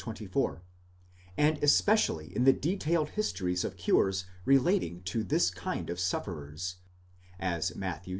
24), and especially in the detailed histories of cures relating to this kind of sufferers (as Matt.